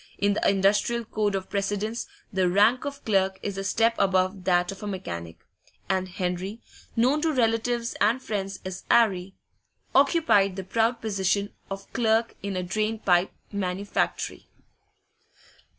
In the industrial code of precedence the rank of clerk is a step above that of mechanic, and Henry known to relatives and friends as 'Arry occupied the proud position of clerk in a drain pipe manufactory.